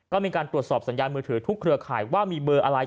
ก็มีการตรวจสอบสัญญาณมือถือทุกเครือข่ายว่ามีเบอร์อะไร